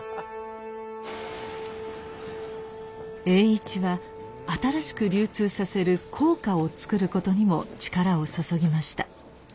栄一は新しく流通させる硬貨を作ることにも力を注ぎました。